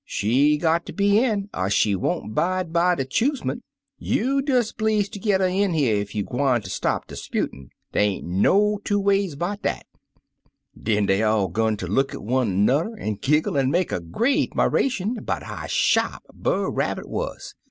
She got ter be in, cr she won't bide by de choose ment. You des bleeze ter git her in ef you gwine ter stop de 'sputin'. Dey ain't no two ways 'bout dat/ *'Den dey all 'gun ter look at one an'er, an' giggle, an' make a great 'miration 'bout how sharp Brer Rabbit wuz.